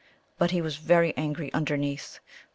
But he was very angry underneath.